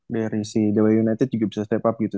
dari si dewa united juga bisa step up gitu